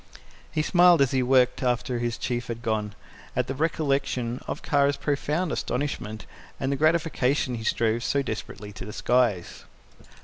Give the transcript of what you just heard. He smiled, as he worked after his Chief had gone, at the recollection of Kara's profound astonishment and the gratification he strove so desperately to disguise.